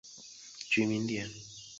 该卡洪被认为起源于秘鲁。